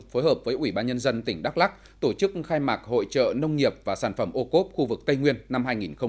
phối hợp với ủy ban nhân dân tỉnh đắk lắc tổ chức khai mạc hội trợ nông nghiệp và sản phẩm ô cốp khu vực tây nguyên năm hai nghìn hai mươi